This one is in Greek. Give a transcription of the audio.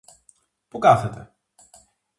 Πού κάθεται;